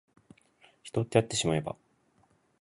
人ってあってしまえば